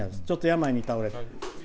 ちょっと病に倒れて。